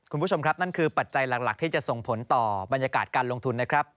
คุณผู้ชมครับนั่นคือปัจจัยหลักที่จะส่งผลต่อบรรยากาศการลงทุนนะครับ